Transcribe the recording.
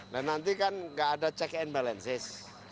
dan nanti kan gak ada check and balances